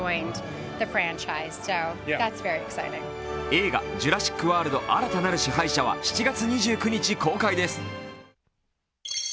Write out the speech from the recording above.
映画「ジュラシック・ワールド／新たなる支配者」は７月２９日公開です。